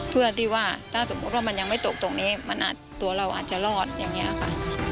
เพื่อที่ว่าถ้าสมมุติว่ามันยังไม่ตกตรงนี้มันตัวเราอาจจะรอดอย่างนี้ค่ะ